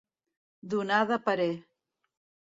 Donar de parer.